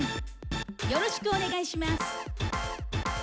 よろしくお願いします。